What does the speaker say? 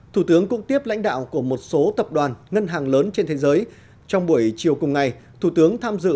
thủ tướng cũng tiếp lãnh đạo của một số tập đoàn ngân hàng lớn trên thế giới